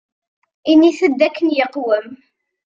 Ini-t-id akken iqwem.